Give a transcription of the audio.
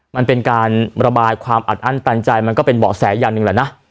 มันเป็นการระบายความอัดอั้นตันใจมันก็เป็นเบาะแสอย่างหนึ่งแหละนะ